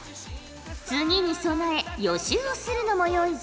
次に備え予習をするのもよいぞ。